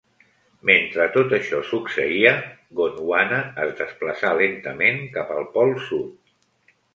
Mentre tot això succeïa, Gondwana es desplaçà lentament cap al pol sud.